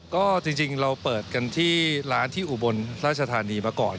ก็จริงเราเปิดกันที่ร้านที่อุบลราชธานีมาก่อน